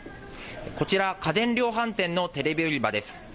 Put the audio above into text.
こちら、家電量販店のテレビ売り場です。